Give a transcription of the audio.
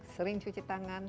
sering cuci tangan